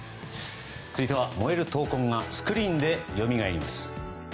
続いては、燃える闘魂がスクリーンでよみがえります。